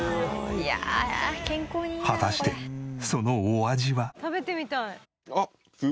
果たしてそのお味は？